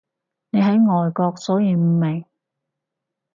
你喺外國所以唔明